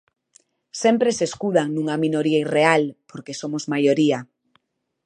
Sempre se escudan nunha minoría irreal, porque somos maioría.